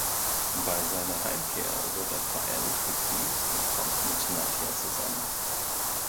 Bei seiner Heimkehr wird er feierlich begrüßt und kommt mit Nadia zusammen.